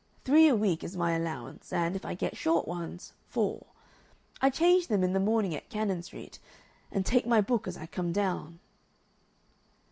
Three a week is my allowance, and, if I get short ones, four. I change them in the morning at Cannon Street, and take my book as I come down."